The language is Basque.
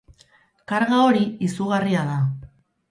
Karga hori izugarria da.